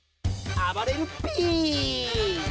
あばれるＰ！